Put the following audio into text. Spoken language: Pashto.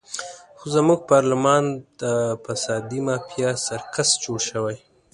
خو زموږ پارلمان د فسادي مافیا سرکس جوړ شوی.